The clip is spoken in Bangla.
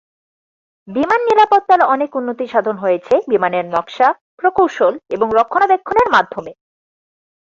বিমান নিরাপত্তার অনেক উন্নতিসাধন হয়েছে বিমানের নকশা, প্রকৌশল এবং রক্ষণাবেক্ষণের মাধ্যমে।